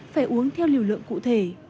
phải uống theo liều lượng cụ thể